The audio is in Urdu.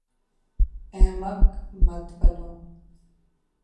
احمق مت بنو